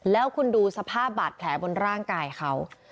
แล้วคุณดูสภาพบาดแผลบนร่างกายเขา